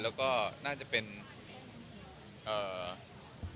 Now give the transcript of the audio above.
แล้วก็น่าจะเป็นน่าจะเป็น